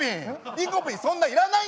リコピンそんないらないんだよ！